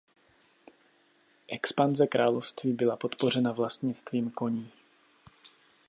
Expanze království byla podpořena vlastnictvím koní.